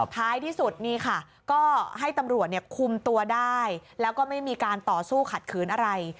ท้ายที่สุดนี่ค่ะก็ให้ตำรวจคุมตัวได้แล้วก็ไม่มีการต่อสู้ขัดขืนอะไร